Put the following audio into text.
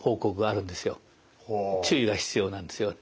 注意が必要なんですよ。